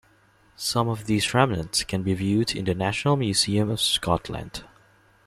Some of these remnants can be viewed in the National Museum of Scotland.